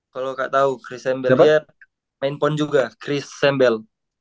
kalo kak tau chris sembel dia main pon juga chris sembel